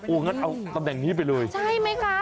งั้นเอาตำแหน่งนี้ไปเลยใช่ไหมคะ